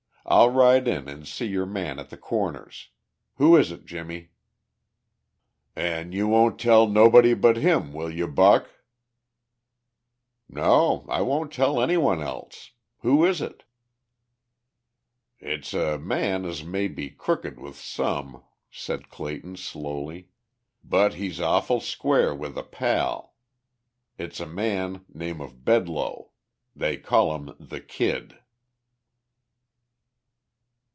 I'll ride in and see your man at the Corners. Who is it, Jimmie?" "An' you won't tell nobody but him, will you, Buck?" "No. I won't tell any one else. Who is it?" "It's a man as may be crooked with some," said Clayton slowly. "But he's awful square with a pal. It's a man name of Bedloe. They call him the Kid."